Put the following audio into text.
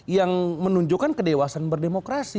yang menunjukkan kedewasan berdemokrasi